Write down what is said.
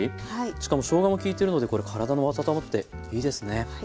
しかもしょうがも効いてるのでこれ体も温まっていいですね。